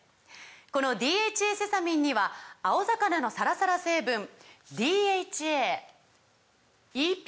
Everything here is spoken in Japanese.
この「ＤＨＡセサミン」には青魚のサラサラ成分ＤＨＡＥＰＡ